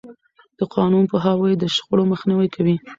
د قانون پوهاوی د شخړو مخنیوی کوي.